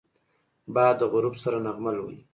باد د غروب سره نغمه لولي